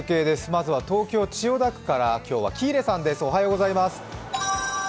まずは東京・千代田区から喜入さんです。